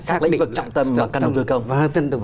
các lĩnh vực trong tầng cần đầu tư công